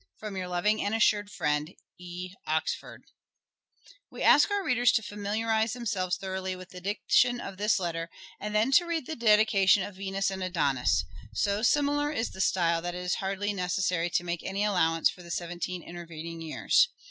" From your loving and assured friend, "E. OXENFORDE." We ask our readers to familiarize themselves thoroughly with the diction of this letter, and then to read the dedication of " Venus and Adonis." So similar is the style that it is hardly necessary to make any allowance for the seventeen intervening years.